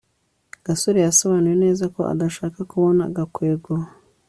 gasore yasobanuye neza ko adashaka kubona gakwego